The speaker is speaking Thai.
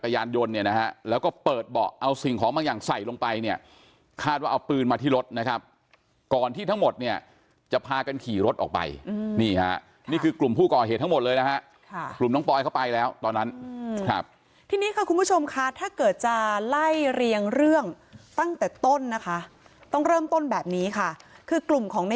เนี่ยนะฮะแล้วก็เปิดเบาะเอาสิ่งของบางอย่างใส่ลงไปเนี่ยคาดว่าเอาปืนมาที่รถนะครับก่อนที่ทั้งหมดเนี่ยจะพากันขี่รถออกไปนี่ฮะนี่คือกลุ่มผู้ก่อเหตุทั้งหมดเลยนะฮะค่ะกลุ่มน้องปอยเข้าไปแล้วตอนนั้นครับทีนี้ค่ะคุณผู้ชมค่ะถ้าเกิดจะไล่เรียงเรื่องตั้งแต่ต้นนะคะต้องเริ่มต้นแบบนี้ค่ะคือกลุ่มของใน